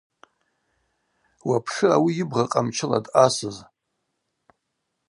Уапшы ауи йыбгъа къамчыла дъасыз.